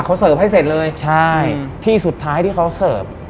เขาเสิร์ฟให้เสร็จเลยใช่ที่สุดท้ายที่เขาเสิร์ฟ